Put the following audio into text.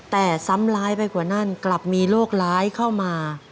แต่ซ้ำร้ายไปกว่านั้นกลับมีโรคร้ายเข้ามา